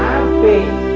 a b kuadrat